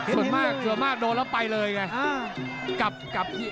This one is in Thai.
ส่วนมากส่วนมากโดนแล้วไปเลยไง